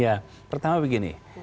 ya pertama begini